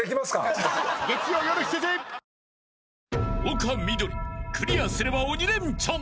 ［丘みどりクリアすれば鬼レンチャン。